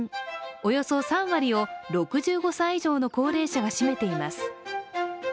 およそ３割を６５歳以上の高齢者が占めています。